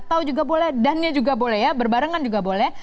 dan atau atau juga boleh dan juga boleh ya berbarengan juga boleh